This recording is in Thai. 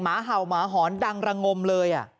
เห่าหมาหอนดังระงมเลย